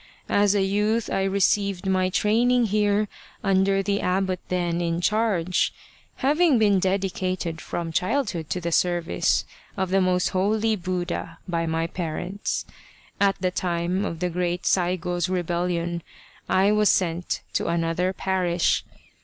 As a youth I received my training here under the abbot then in charge, having been dedicated from childhood to the service of the most holy Buddha by my parents. At the time of the great Saigo's rebellion I was sent to another parish.